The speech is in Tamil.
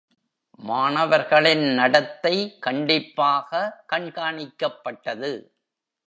மாணவர்களின் நடத்தை கண்டிப்பாக கண்காணிக்கப்பட்டது.